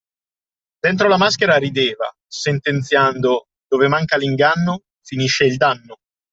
Dentro la maschera rideva, sentenziando: dove manca l'inganno, finisce il danno!